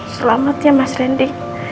selamat ya mas randy